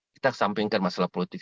kita kesampingkan masalah politik